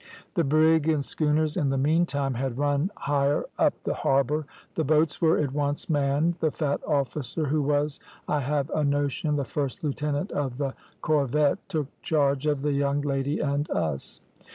"The brig and schooners in the meantime had run higher up the harbour. The boats were at once manned, the fat officer, who was, I have a notion, the first lieutenant of the corvette, took charge of the young lady and us.